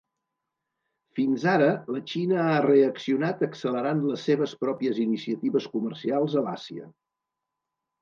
Fins ara, la Xina ha reaccionat accelerant les seves pròpies iniciatives comercials a l'Àsia.